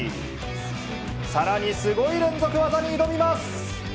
さらにすごい連続技に挑みます。